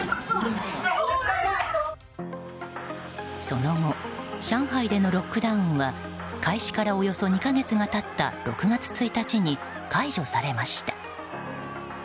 その後、上海でのロックダウンは開始からおよそ２か月が経った６月１日に解除されました。